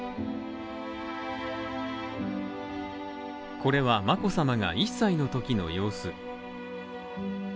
これは眞子さまが１歳のときの様子。